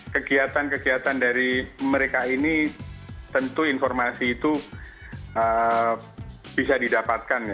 kegiatan kegiatan dari mereka ini tentu informasi itu bisa didapatkan